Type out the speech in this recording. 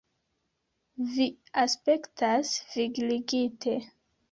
Vi aspektas vigligite.